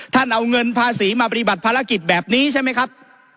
เอาเงินภาษีมาปฏิบัติภารกิจแบบนี้ใช่ไหมครับ